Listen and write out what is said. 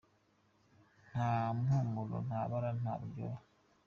Nta mpumuro, nta bara nta n’uburyohe.